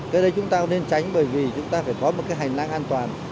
cái đấy chúng ta nên tránh bởi vì chúng ta phải có một cái hành lang an toàn